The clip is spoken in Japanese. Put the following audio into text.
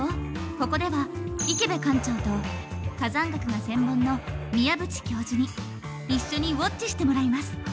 ここでは池辺館長と火山学が専門の宮縁教授に一緒にウォッチしてもらいます。